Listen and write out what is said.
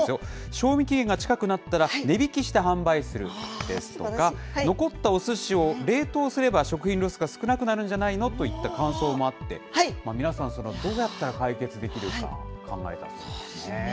賞味期限が近くなったら、値引きして販売するですとか、残ったおすしを冷凍すれば食品ロスが少なくなるんじゃないのといった感想もあって、皆さん、どうやったら解決できるか考えたそうなんですね。